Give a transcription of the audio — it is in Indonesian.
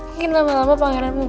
mungkin lama lama pangeran mau berubah